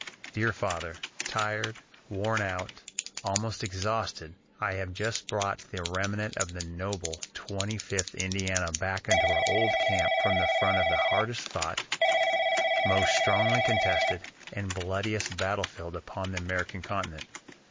"DEAR FATHER: "Tired, worn out, almost exhausted, I have just brought the remnant of the noble Twenty fifth Indiana back into our old camp from the front of the hardest fought, most strongly contested, and bloodiest battlefield upon the American continent.